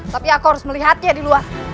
tapi aku harus melihatnya di luar